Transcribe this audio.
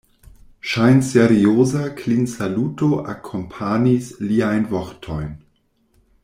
Ŝajnserioza klinsaluto akompanis liajn vortojn.